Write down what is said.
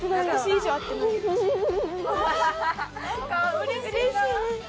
うれしいね！